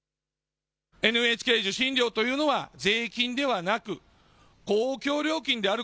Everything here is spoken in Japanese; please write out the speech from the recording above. ＮＨＫ受信料というのは税金ではなく、公共料金である。